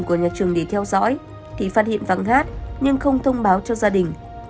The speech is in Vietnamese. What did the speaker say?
của nhà trường để theo dõi thì phát hiện vắng gát nhưng không thông báo cho gia đình